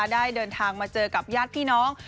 ได้เดินทางมาเจอกับญาติพี่น้อง